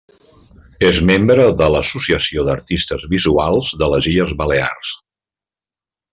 És membre de l'Associació d'Artistes Visuals de les Illes Balears.